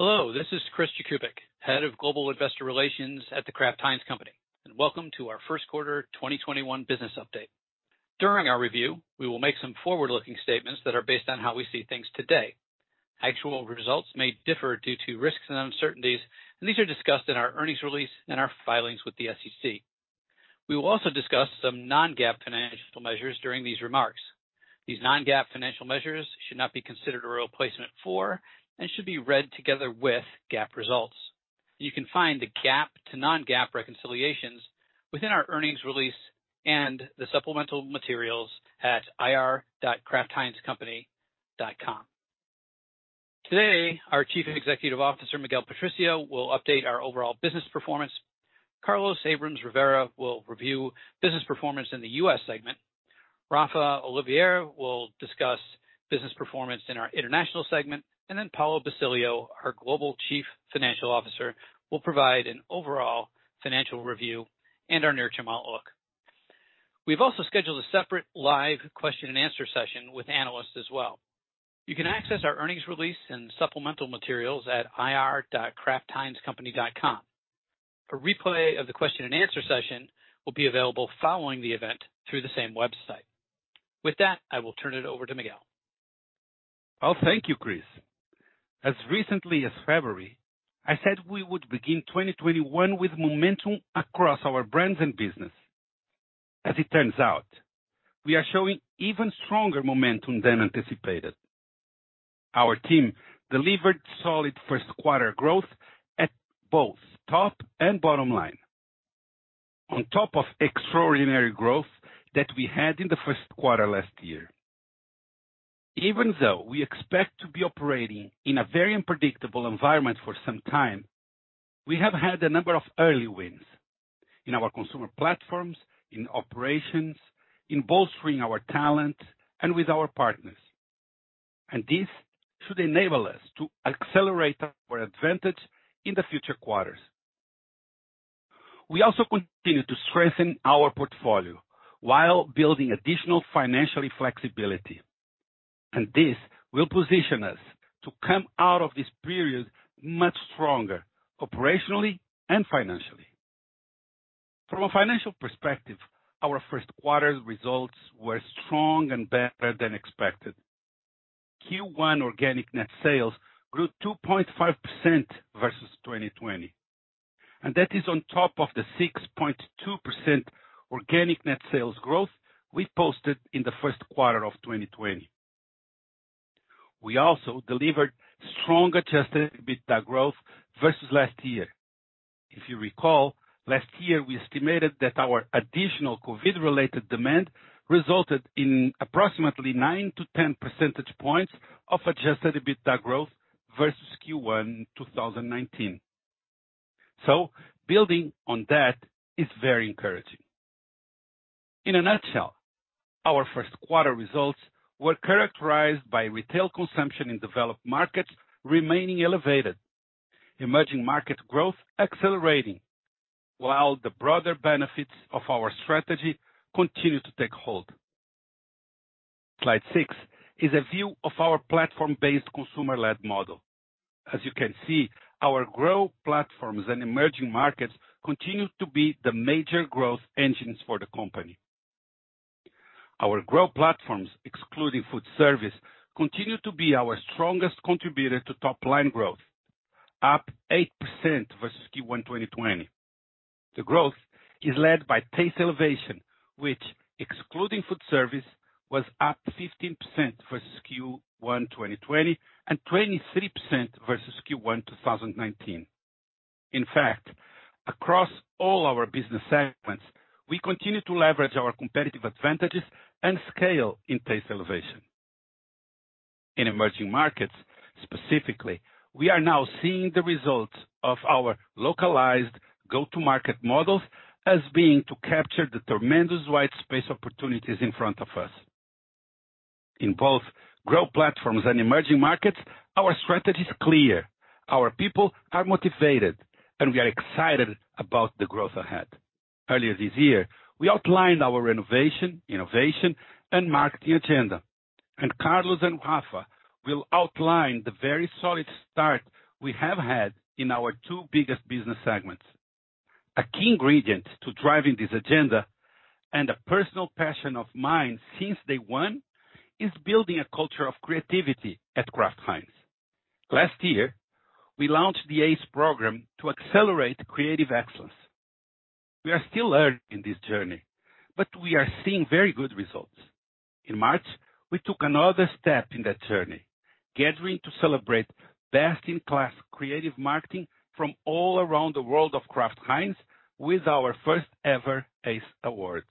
Hello, this is Chris Jakubik, Head of Global Investor Relations at The Kraft Heinz Company, and welcome to our first quarter 2021 business update. During our review, we will make some forward-looking statements that are based on how we see things today. Actual results may differ due to risks and uncertainties, and these are discussed in our earnings release and our filings with the SEC. We will also discuss some non-GAAP financial measures during these remarks. These non-GAAP financial measures should not be considered a replacement for and should be read together with GAAP results. You can find the GAAP to non-GAAP reconciliations within our earnings release and the supplemental materials at ir.kraftheinzcompany.com. Today, our Chief Executive Officer, Miguel Patricio, will update our overall business performance. Carlos Abrams-Rivera will review business performance in the U.S. segment. Rafael Oliveira will discuss business performance in our international segment. Paulo Basilio, our Global Chief Financial Officer, will provide an overall financial review and our near-term outlook. We've also scheduled a separate live question and answer session with analysts as well. You can access our earnings release and supplemental materials at ir.kraftheinzcompany.com. A replay of the question and answer session will be available following the event through the same website. With that, I will turn it over to Miguel. Well, thank you, Chris. As recently as February, I said we would begin 2021 with momentum across our brands and business. As it turns out, we are showing even stronger momentum than anticipated. Our team delivered solid first quarter growth at both top and bottom line. On top of extraordinary growth that we had in the first quarter last year. Even though we expect to be operating in a very unpredictable environment for some time, we have had a number of early wins in our consumer platforms, in operations, in bolstering our talent, and with our partners. This should enable us to accelerate our advantage in the future quarters. We also continue to strengthen our portfolio while building additional financial flexibility, and this will position us to come out of this period much stronger, operationally and financially. From a financial perspective, our first quarter results were strong and better than expected. Q1 organic net sales grew 2.5% versus 2020, that is on top of the 6.2% organic net sales growth we posted in the first quarter of 2020. We also delivered stronger adjusted EBITDA growth versus last year. If you recall, last year, we estimated that our additional COVID-related demand resulted in approximately 9 percentage points to 10 percentage points of adjusted EBITDA growth versus Q1 2019. Building on that is very encouraging. In a nutshell, our first quarter results were characterized by retail consumption in developed markets remaining elevated, emerging market growth accelerating, while the broader benefits of our strategy continued to take hold. Slide six is a view of our platform-based consumer-led model. As you can see, our growth platforms and emerging markets continue to be the major growth engines for the company. Our growth platforms, excluding food service, continue to be our strongest contributor to top-line growth, up 8% versus Q1 2020. The growth is led by Taste Elevation, which excluding Food Service, was up 15% versus Q1 2020 and 23% versus Q1 2019. In fact, across all our business segments, we continue to leverage our competitive advantages and scale in Taste Elevation. In emerging markets, specifically, we are now seeing the results of our localized go-to-market models beginning to capture the tremendous white space opportunities in front of us. In both growth platforms and emerging markets, our strategy is clear. Our people are motivated, and we are excited about the growth ahead. Earlier this year, we outlined our renovation, innovation, and marketing agenda, and Carlos and Rafa will outline the very solid start we have had in our two biggest business segments. A key ingredient to driving this agenda and a personal passion of mine since day one is building a culture of creativity at Kraft Heinz. Last year, we launched the ACE program to accelerate creative excellence. We are still early in this journey, but we are seeing very good results. In March, we took another step in that journey, gathering to celebrate best-in-class creative marketing from all around the world of Kraft Heinz with our first ever ACE Awards.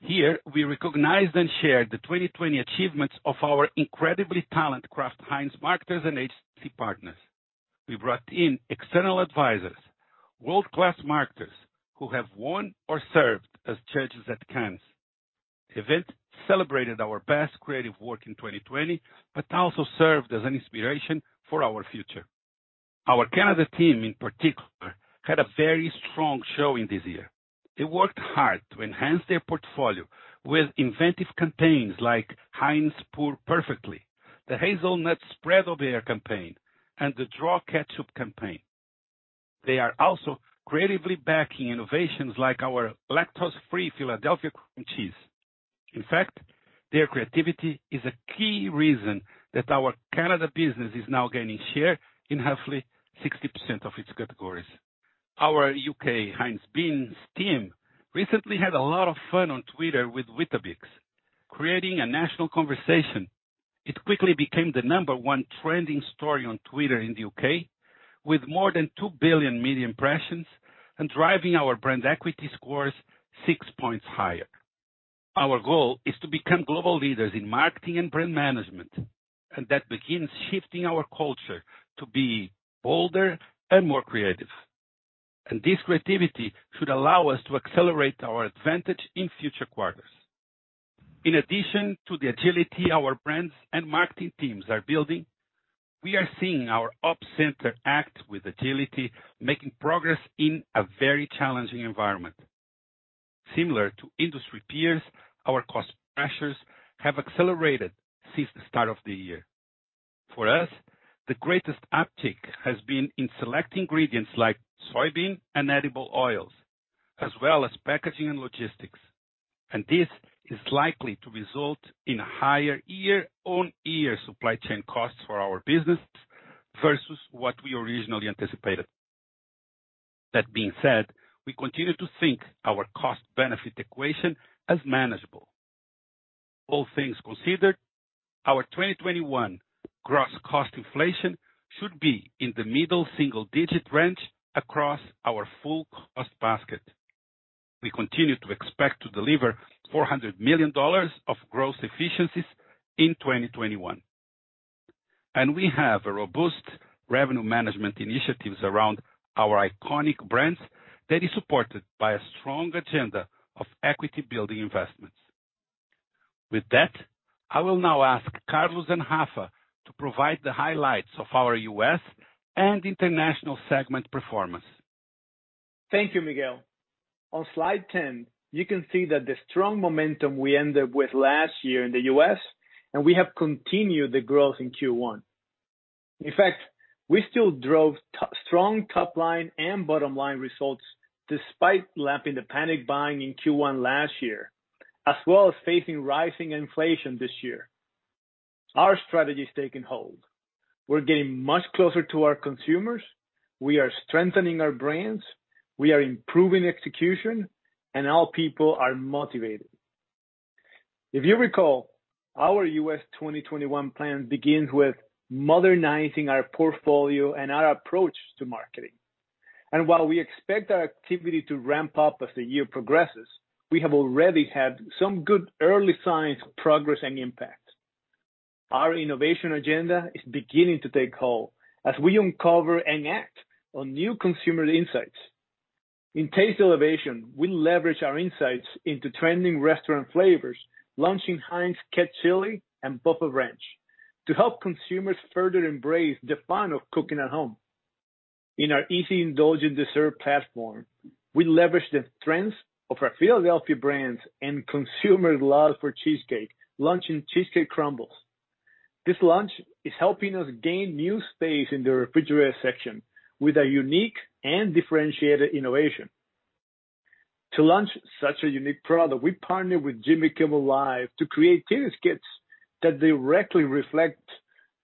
Here, we recognized and shared the 2020 achievements of our incredibly talented Kraft Heinz marketers and agency partners. We brought in external advisors, world-class marketers who have won or served as judges at Cannes. The event celebrated our best creative work in 2020, but also served as an inspiration for our future. Our Canada team in particular, had a very strong showing this year. They worked hard to enhance their portfolio with inventive campaigns like Heinz Pourfect Bottle, the Kraft Hazelnut Spread, and the Draw Ketchup. They are also creatively backing innovations like our lactose-free Philadelphia Cream Cheese. In fact, their creativity is a key reason that our Canada business is now gaining share in roughly 60% of its categories. Our U.K. Heinz Beanz team recently had a lot of fun on Twitter with Weetabix, creating a national conversation. It quickly became the number one trending story on Twitter in the U.K. with more than 2 billion media impressions and driving our brand equity scores six points higher. Our goal is to become global leaders in marketing and brand management, that begins shifting our culture to be bolder and more creative. This creativity should allow us to accelerate our advantage in future quarters. In addition to the agility our brands and marketing teams are building, we are seeing our ops center act with agility, making progress in a very challenging environment. Similar to industry peers, our cost pressures have accelerated since the start of the year. For us, the greatest uptick has been in select ingredients like soybean and edible oils, as well as packaging and logistics. This is likely to result in higher year-on-year supply chain costs for our business versus what we originally anticipated. That being said, we continue to think our cost-benefit equation as manageable. All things considered, our 2021 gross cost inflation should be in the middle single-digit range across our full cost basket. We continue to expect to deliver $400 million of gross efficiencies in 2021. We have robust revenue management initiatives around our iconic brands that is supported by a strong agenda of equity building investments. With that, I will now ask Carlos and Rafa to provide the highlights of our U.S. and international segment performance. Thank you, Miguel. On slide 10, you can see that the strong momentum we ended with last year in the U.S., and we have continued the growth in Q1. In fact, we still drove strong top line and bottom line results despite lapping the panic buying in Q1 last year, as well as facing rising inflation this year. Our strategy is taking hold. We're getting much closer to our consumers. We are strengthening our brands. We are improving execution, and our people are motivated. If you recall, our U.S. 2021 plan begins with modernizing our portfolio and our approach to marketing. While we expect our activity to ramp up as the year progresses, we have already had some good early signs of progress and impact. Our innovation agenda is beginning to take hold as we uncover and act on new consumer insights. In Taste Elevation, we leverage our insights into trending restaurant flavors, launching Sweet Ketchili and Buffaranch to help consumers further embrace the fun of cooking at home. In our Easy Indulgent Desserts platform, we leverage the strengths of our Philadelphia brands and consumers' love for cheesecake, launching Philadelphia Cheesecake Crumble. This launch is helping us gain new space in the refrigerator section with a unique and differentiated innovation. To launch such a unique product, we partnered with Jimmy Kimmel Live! to create TV skits that directly reflect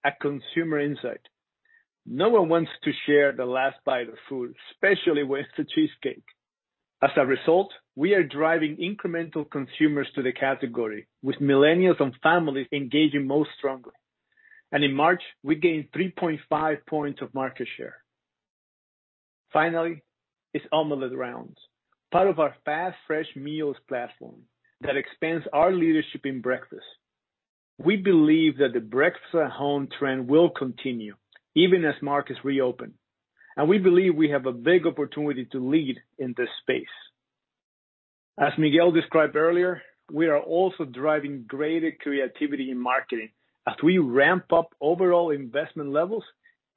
a consumer insight. No one wants to share the last bite of food, especially with the cheesecake. As a result, we are driving incremental consumers to the category, with millennials and families engaging most strongly. In March, we gained 3.5 points of market share. Finally, it's Just Crack an Egg Omelet Rounds, part of our Fast Fresh Meals platform that expands our leadership in breakfast. We believe that the breakfast-at-home trend will continue even as markets reopen, and we believe we have a big opportunity to lead in this space. As Miguel described earlier, we are also driving greater creativity in marketing as we ramp up overall investment levels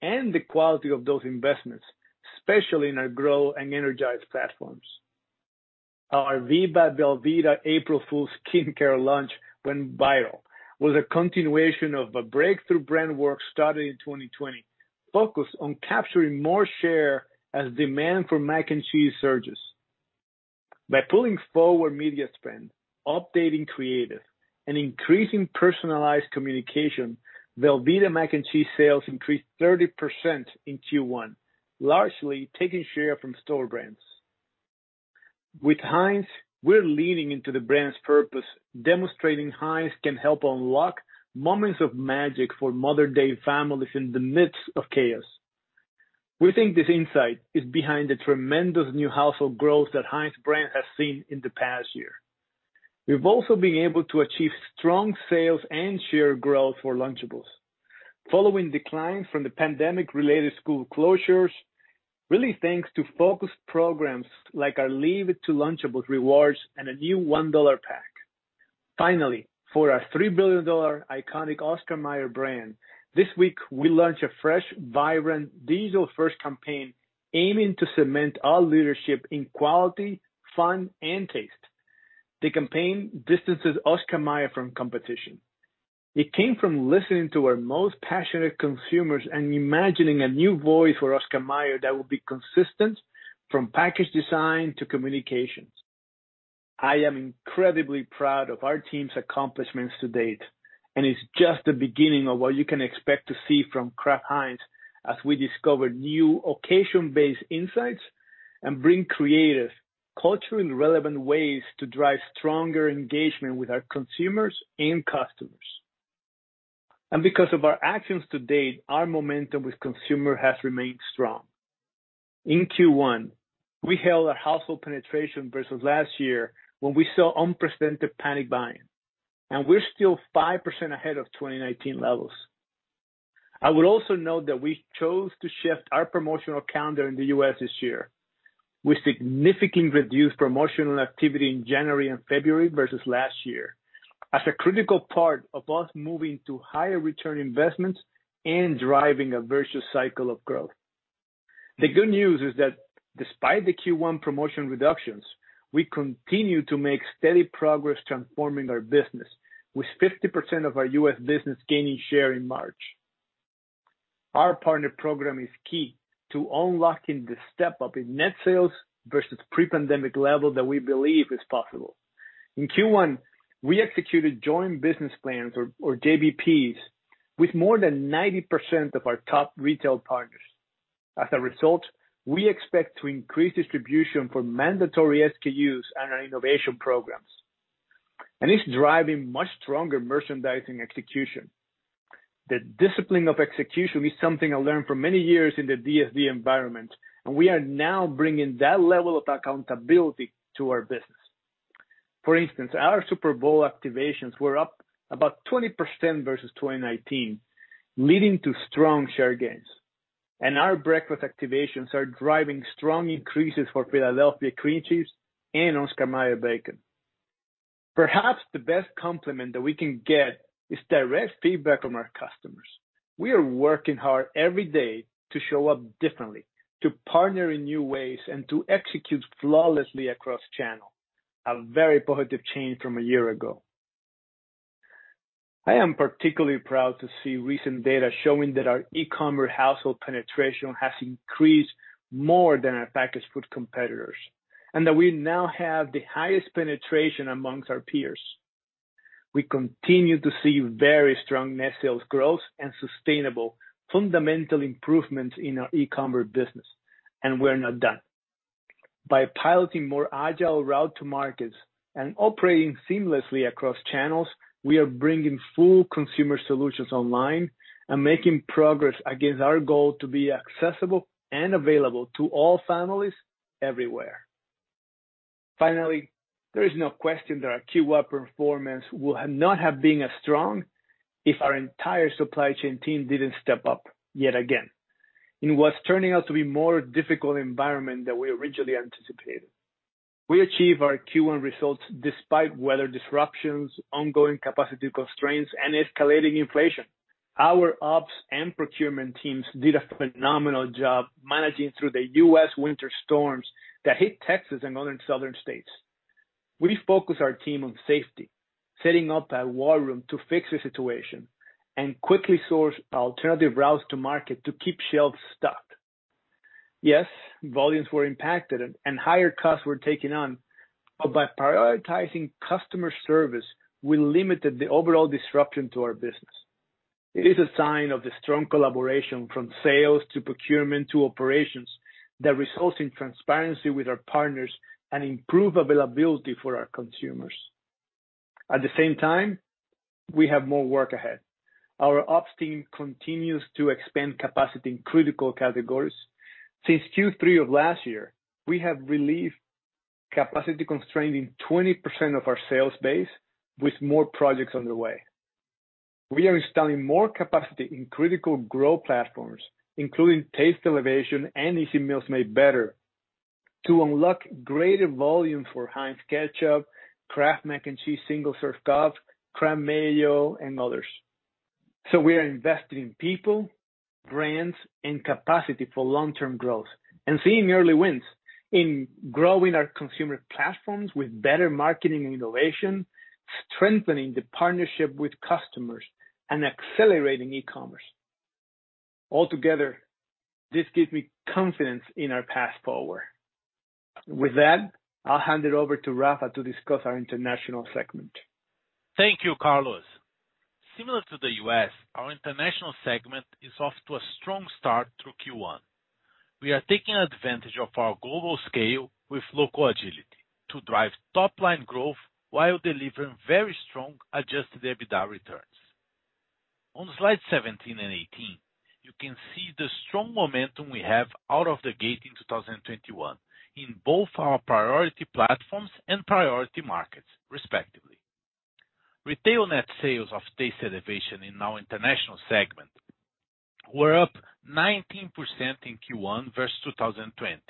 and the quality of those investments, especially in our grow and energize platforms. Our V by Velveeta April Fool's skincare launch went viral, with a continuation of a breakthrough brand work started in 2020, focused on capturing more share as demand for mac and cheese surges. By pulling forward media spend, updating creative, and increasing personalized communication, Velveeta mac and cheese sales increased 30% in Q1, largely taking share from store brands. With Heinz, we're leaning into the brand's purpose, demonstrating Heinz can help unlock moments of magic for modern-day families in the midst of chaos. We think this insight is behind the tremendous new household growth that Heinz has seen in the past year. We've also been able to achieve strong sales and share growth for Lunchables. Following declines from the pandemic-related school closures, really thanks to focused programs like our Leave it to Lunchables rewards and a new $1 pack. Finally, for our $3 billion iconic Oscar Mayer, this week, we launched a fresh, vibrant digital-first campaign aiming to cement our leadership in quality, fun, and taste. The campaign distances Oscar Mayer from competition. It came from listening to our most passionate consumers and imagining a new voice for Oscar Mayer that will be consistent from package design to communications. I am incredibly proud of our team's accomplishments to date, it's just the beginning of what you can expect to see from Kraft Heinz as we discover new occasion-based insights and bring creative, culturally relevant ways to drive stronger engagement with our consumers and customers. Because of our actions to date, our momentum with consumer has remained strong. In Q1, we held our household penetration versus last year, when we saw unprecedented panic buying, and we're still 5% ahead of 2019 levels. I would also note that we chose to shift our promotional calendar in the U.S. this year. We significantly reduced promotional activity in January and February versus last year as a critical part of us moving to higher return investments and driving a virtuous cycle of growth. The good news is that despite the Q1 promotion reductions, we continue to make steady progress transforming our business with 50% of our U.S. business gaining share in March. Our partner program is key to unlocking the step-up in net sales versus pre-pandemic level that we believe is possible. In Q1, we executed Joint Business Plans, or JBPs, with more than 90% of our top retail partners. As a result, we expect to increase distribution for mandatory SKUs and our innovation programs. It's driving much stronger merchandising execution. The discipline of execution is something I learned from many years in the DSD environment, and we are now bringing that level of accountability to our business. For instance, our Super Bowl activations were up about 20% versus 2019, leading to strong share gains, and our breakfast activations are driving strong increases for Philadelphia Cream Cheese and Oscar Mayer bacon. Perhaps the best compliment that we can get is direct feedback from our customers. We are working hard every day to show up differently, to partner in new ways, and to execute flawlessly across channel, a very positive change from a year ago. I am particularly proud to see recent data showing that our e-commerce household penetration has increased more than our packaged food competitors, and that we now have the highest penetration amongst our peers. We continue to see very strong net sales growth and sustainable fundamental improvements in our e-commerce business, and we're not done. By piloting more agile route to markets and operating seamlessly across channels, we are bringing full consumer solutions online and making progress against our goal to be accessible and available to all families everywhere. Finally, there is no question that our Q1 performance would not have been as strong if our entire supply chain team didn't step up yet again in what's turning out to be a more difficult environment than we originally anticipated. We achieved our Q1 results despite weather disruptions, ongoing capacity constraints, and escalating inflation. Our ops and procurement teams did a phenomenal job managing through the U.S. winter storms that hit Texas and other southern states. We focused our team on safety, setting up a war room to fix the situation, and quickly sourced alternative routes to market to keep shelves stocked. Yes, volumes were impacted and higher costs were taken on. By prioritizing customer service, we limited the overall disruption to our business. It is a sign of the strong collaboration from sales to procurement to operations that results in transparency with our partners and improved availability for our consumers. At the same time, we have more work ahead. Our ops team continues to expand capacity in critical categories. Since Q3 of last year, we have relieved capacity constraint in 20% of our sales base with more projects on the way. We are installing more capacity in critical growth platforms, including Taste Elevation and Easy Meals Made Better, to unlock greater volume for Heinz Ketchup, Kraft Mac & Cheese Single Serve Cups, Kraft Mayo, and others. We are investing in people, brands, and capacity for long-term growth and seeing early wins in growing our consumer platforms with better marketing and innovation, strengthening the partnership with customers, and accelerating e-commerce. Altogether, this gives me confidence in our path forward. With that, I'll hand it over to Rafa to discuss our International Markets segment. Thank you, Carlos. Similar to the U.S., our international segment is off to a strong start through Q1. We are taking advantage of our global scale with local agility to drive top-line growth while delivering very strong adjusted EBITDA returns. On slides 17 and 18, you can see the strong momentum we have out of the gate in 2021 in both our priority platforms and priority markets, respectively. Retail net sales of Taste Elevation in our international segment were up 19% in Q1 versus 2020,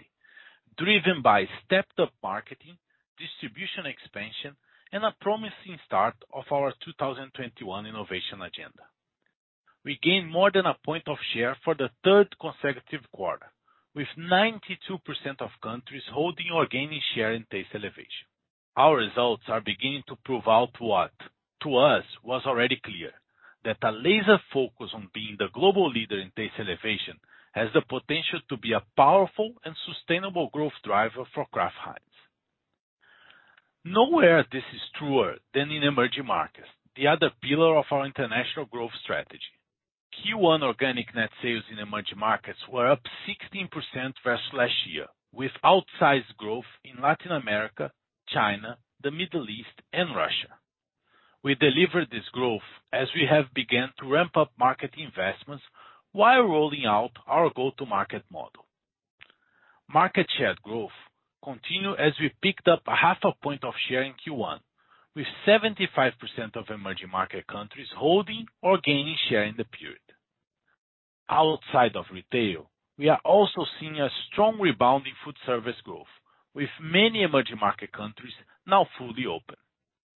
driven by stepped-up marketing, distribution expansion, and a promising start of our 2021 innovation agenda. We gained more than a point of share for the third consecutive quarter, with 92% of countries holding or gaining share in Taste Elevation. Our results are beginning to prove out what, to us, was already clear, that a laser focus on being the global leader in Taste Elevation has the potential to be a powerful and sustainable growth driver for Kraft Heinz. Nowhere this is truer than in emerging markets, the other pillar of our international growth strategy. Q1 organic net sales in emerging markets were up 16% versus last year, with outsized growth in Latin America, China, the Middle East, and Russia. We delivered this growth as we have begun to ramp up market investments while rolling out our go-to-market model. Market share growth continued as we picked up a half a point of share in Q1, with 75% of emerging market countries holding or gaining share in the period. Outside of retail, we are also seeing a strong rebound in food service growth, with many emerging market countries now fully open.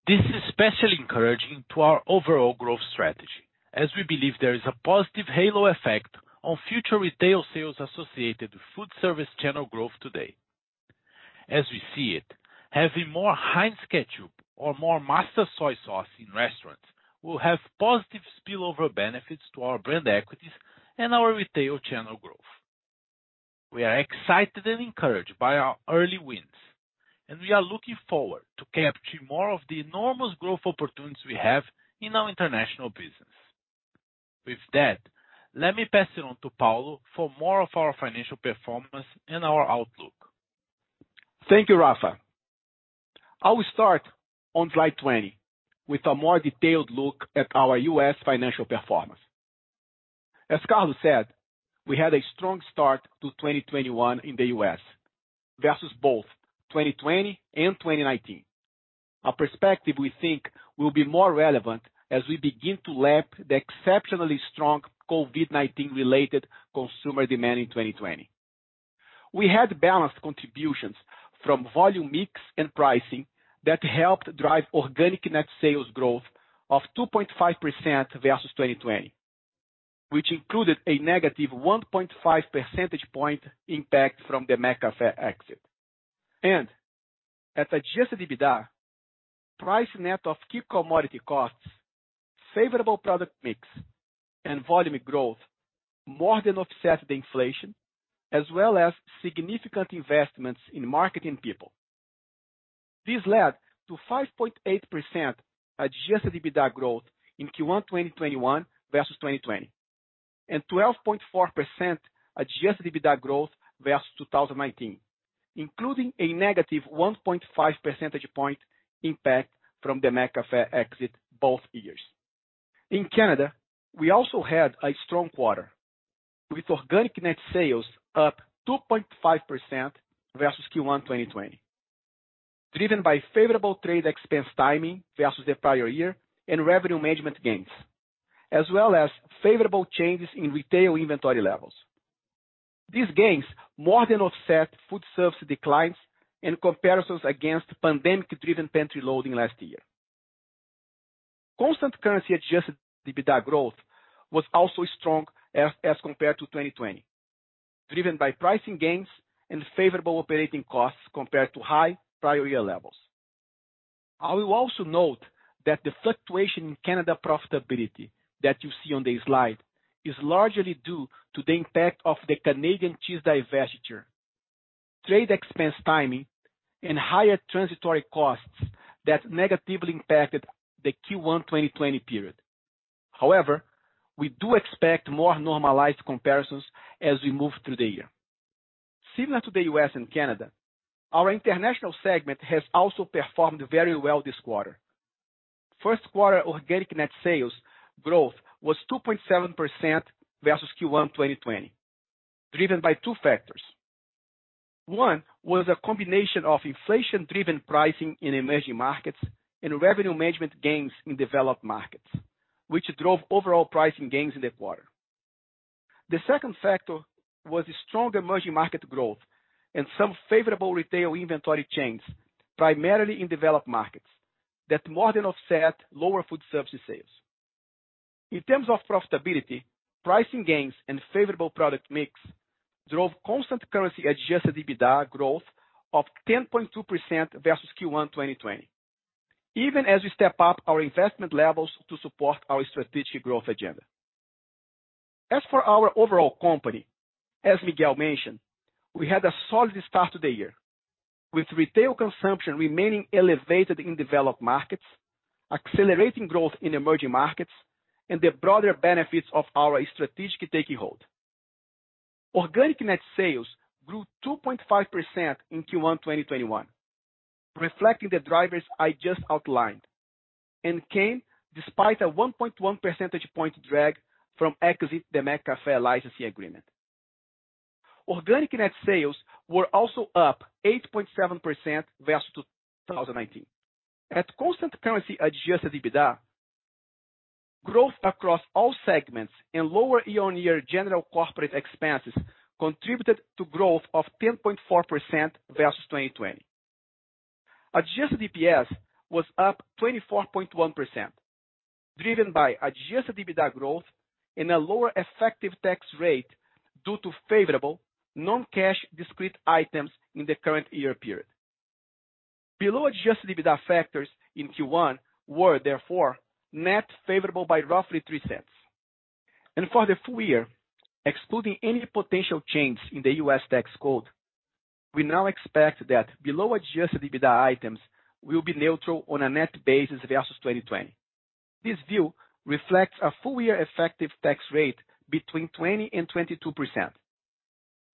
This is especially encouraging to our overall growth strategy, as we believe there is a positive halo effect on future retail sales associated with food service channel growth today. As we see it, having more Heinz Ketchup or more Master Soy Sauce in restaurants will have positive spillover benefits to our brand equities and our retail channel growth. We are excited and encouraged by our early wins, and we are looking forward to capturing more of the enormous growth opportunities we have in our international business. With that, let me pass it on to Paulo for more of our financial performance and our outlook. Thank you, Rafael Oliveira. I will start on slide 20 with a more detailed look at our U.S. financial performance. As Carlos said, we had a strong start to 2021 in the U.S. versus both 2020 and 2019. Our perspective, we think, will be more relevant as we begin to lap the exceptionally strong COVID-19 related consumer demand in 2020. We had balanced contributions from volume mix and pricing that helped drive organic net sales growth of 2.5% versus 2020, which included a negative 1.5 percentage point impact from the McCafé exit. At adjusted EBITDA, price net of key commodity costs, favorable product mix, and volume growth more than offset the inflation, as well as significant investments in marketing people. This led to 5.8% adjusted EBITDA growth in Q1 2021 versus 2020, and 12.4% adjusted EBITDA growth versus 2019, including a negative 1.5 percentage point impact from the McCafé exit both years. In Canada, we also had a strong quarter, with organic net sales up 2.5% versus Q1 2020, driven by favorable trade expense timing versus the prior year and revenue management gains, as well as favorable changes in retail inventory levels. These gains more than offset food service declines and comparisons against pandemic-driven pantry loading last year. Constant currency adjusted EBITDA growth was also strong as compared to 2020, driven by pricing gains and favorable operating costs compared to high prior year levels. I will also note that the fluctuation in Canada profitability that you see on the slide is largely due to the impact of the Canadian cheese divestiture, trade expense timing, and higher transitory costs that negatively impacted the Q1 2020 period. We do expect more normalized comparisons as we move through the year. Similar to the U.S. and Canada, our international segment has also performed very well this quarter. First quarter organic net sales growth was 2.7% versus Q1 2020, driven by two factors. One was a combination of inflation-driven pricing in emerging markets and revenue management gains in developed markets, which drove overall pricing gains in the quarter. The second factor was the strong emerging market growth and some favorable retail inventory chains, primarily in developed markets, that more than offset lower food service sales. In terms of profitability, pricing gains and favorable product mix drove constant currency adjusted EBITDA growth of 10.2% versus Q1 2020, even as we step up our investment levels to support our strategic growth agenda. For our overall company, as Miguel mentioned, we had a solid start to the year, with retail consumption remaining elevated in developed markets, accelerating growth in emerging markets, and the broader benefits of our strategy taking hold. Organic net sales grew 2.5% in Q1 2021, reflecting the drivers I just outlined, came despite a 1.1 percentage point drag from exit the McCafé licensee agreement. Organic net sales were also up 8.7% versus 2019. At constant currency adjusted EBITDA, growth across all segments and lower year-on-year general corporate expenses contributed to growth of 10.4% versus 2020. Adjusted EPS was up 24.1%, driven by adjusted EBITDA growth and a lower effective tax rate due to favorable non-cash discrete items in the current year period. Below adjusted EBITDA factors in Q1 were therefore net favorable by roughly $0.03. For the full year, excluding any potential changes in the U.S. tax code, we now expect that below adjusted EBITDA items will be neutral on a net basis versus 2020. This view reflects a full year effective tax rate between 20% and 22%,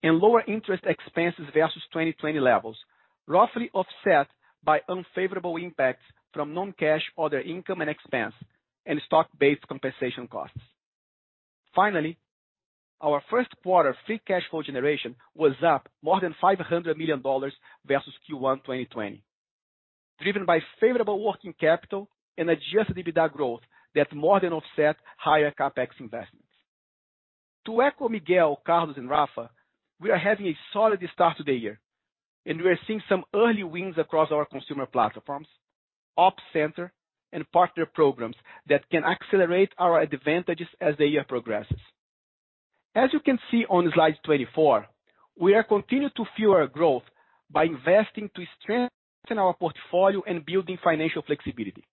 and lower interest expenses versus 2020 levels, roughly offset by unfavorable impacts from non-cash other income and expense and stock-based compensation costs. Finally, our first quarter free cash flow generation was up more than $500 million versus Q1 2020, driven by favorable working capital and adjusted EBITDA growth that more than offset higher CapEx investments. To echo Miguel, Carlos, and Rafa, we are having a solid start to the year, and we are seeing some early wins across our consumer platforms, op center, and partner programs that can accelerate our advantages as the year progresses. As you can see on slide 24, we are continuing to fuel our growth by investing to strengthen our portfolio and building financial flexibility.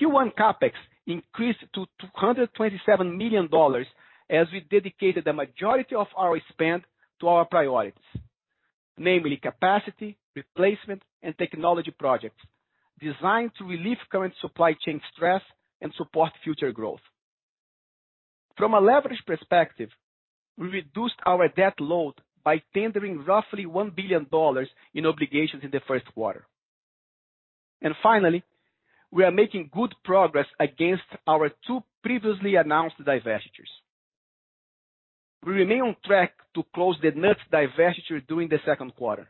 Q1 CapEx increased to $227 million as we dedicated the majority of our spend to our priorities, namely capacity, replacement, and technology projects designed to relieve current supply chain stress and support future growth. From a leverage perspective, we reduced our debt load by tendering roughly $1 billion in obligations in the first quarter. Finally, we are making good progress against our two previously announced divestitures. We remain on track to close the nuts divestiture during the second quarter.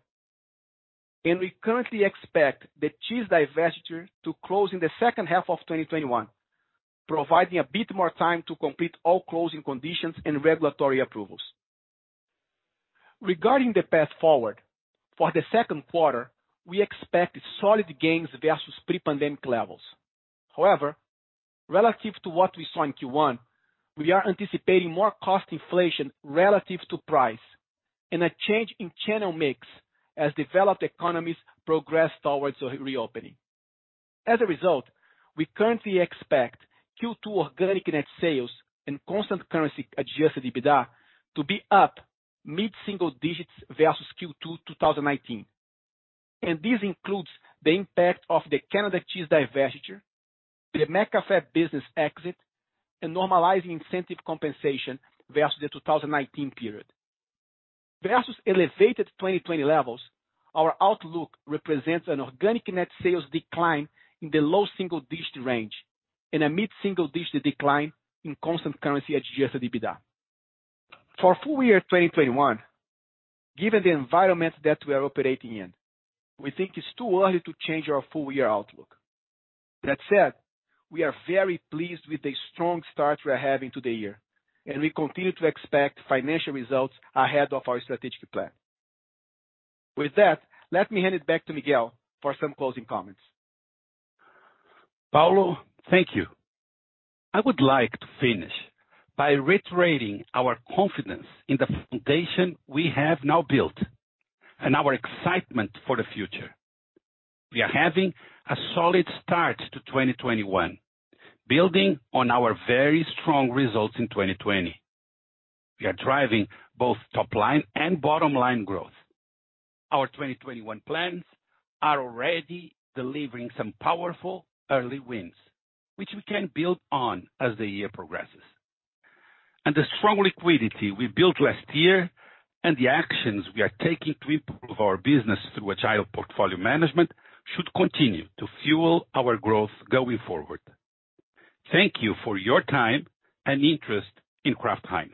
We currently expect the cheese divestiture to close in the second half of 2021, providing a bit more time to complete all closing conditions and regulatory approvals. Regarding the path forward, for the second quarter, we expect solid gains versus pre-pandemic levels. Relative to what we saw in Q1, we are anticipating more cost inflation relative to price and a change in channel mix as developed economies progress towards reopening. We currently expect Q2 organic net sales and constant currency adjusted EBITDA to be up mid-single digits versus Q2 2019. This includes the impact of the Canadian cheese divestiture, the McCafé business exit, and normalizing incentive compensation versus the 2019 period. Versus elevated 2020 levels, our outlook represents an organic net sales decline in the low single-digit range and a mid-single-digit decline in constant currency adjusted EBITDA. For full year 2021, given the environment that we are operating in, we think it's too early to change our full year outlook. That said, we are very pleased with the strong start we're having to the year, and we continue to expect financial results ahead of our strategic plan. With that, let me hand it back to Miguel for some closing comments. Paulo, thank you. I would like to finish by reiterating our confidence in the foundation we have now built and our excitement for the future. We are having a solid start to 2021, building on our very strong results in 2020. We are driving both top line and bottom line growth. Our 2021 plans are already delivering some powerful early wins, which we can build on as the year progresses. The strong liquidity we built last year and the actions we are taking to improve our business through agile portfolio management should continue to fuel our growth going forward. Thank you for your time and interest in Kraft Heinz.